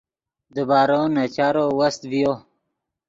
دیبارو نے چارو وست ڤیو